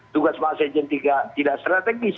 tugas pak sekjen tidak strategis